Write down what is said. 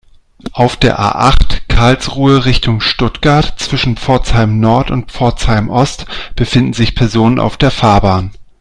Auf der A-acht, Karlsruhe Richtung Stuttgart, zwischen Pforzheim-Nord und Pforzheim-Ost befinden sich Personen auf der Fahrbahn.